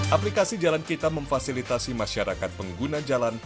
aplikasi jalan kita memfasilitasi masyarakat pengguna jalan